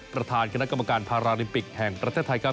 ประธานคณะกรรมการพาราลิมปิกแห่งประเทศไทยครับ